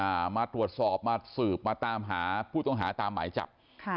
มาตรวจสอบมาสืบมาตามหาผู้ต้องหาตามหมายจับค่ะ